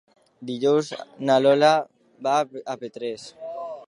Dijous na Lola va a Petrés.